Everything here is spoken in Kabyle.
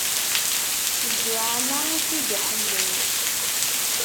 Zzuɛama i tt-id-iḥellen.